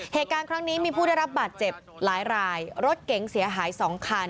เหตุการณ์ครั้งนี้มีผู้ได้รับบาดเจ็บหลายรายรถเก๋งเสียหาย๒คัน